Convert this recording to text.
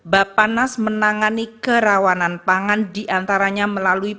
bapanas menangani kerawanan pangan diantaranya melalui